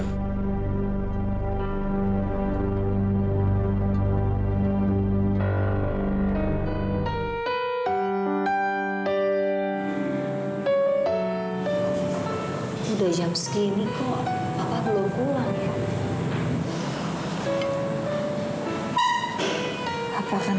sudah jam segini kok papa belum pulang